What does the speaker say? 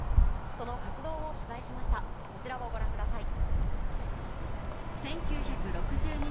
その活動を取材しましたこちらをご覧ください。